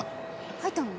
入ったの？